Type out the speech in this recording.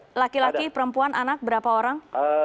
ini laki laki perempuan anak berapa orang